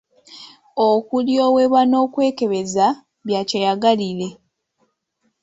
Okulyowebwa n'okwekebeza bya kyeyagalire.